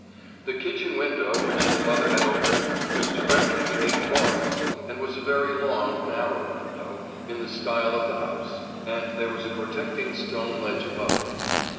The kitchen window which his mother had opened was directly beneath Laura's, and was a very long, narrow window, in the style of the house, and there was a protecting stone ledge above it.